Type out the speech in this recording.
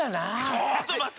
ちょっとまって。